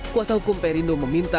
kuasa hukum perindo meminta